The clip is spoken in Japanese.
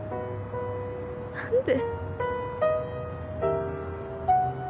何で？